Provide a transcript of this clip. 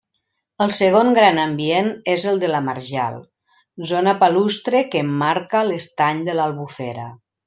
El segon gran ambient és el de la marjal, zona palustre que emmarca l'estany de l'Albufera.